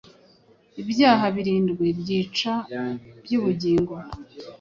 Ibyaha birindwi byica byubugingo